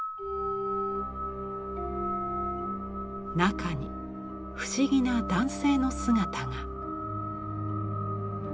中に不思議な男性の姿が。